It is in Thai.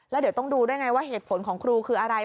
แล้วเดี๋ยวต้องดูด้วยไงว่าเหตุผลของครูคืออะไร